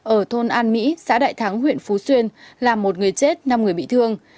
ở thôn an mỹ xã đại thắng huyện phú xuyên làm một người chết năm người bị thương